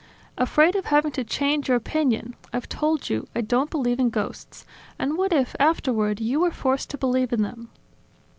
"Afraid of having to change your opinion. I've told you: I don't believe in ghosts. And what if, afterward, you were forced to believe in them?"